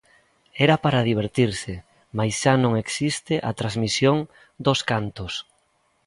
Era para divertirse, mais xa non existe a transmisión dos cantos.